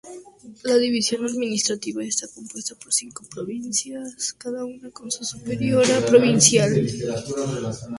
La división administrativa está compuesta por cinco provincias, cada una con su superiora provincial.